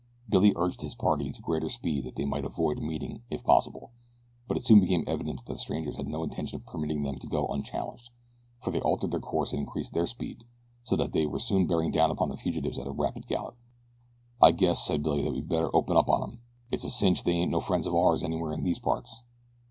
Billy urged his party to greater speed that they might avoid a meeting if possible; but it soon became evident that the strangers had no intention of permitting them to go unchallenged, for they altered their course and increased their speed so that they were soon bearing down upon the fugitives at a rapid gallop. "I guess," said Billy, "that we'd better open up on 'em. It's a cinch they ain't no friends of ours anywhere in these parts."